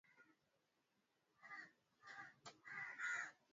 Kufunga reli ya mwendo wa wastan iliyojengwa na China